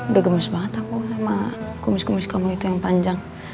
udah gemis banget aku sama komis kumis kamu itu yang panjang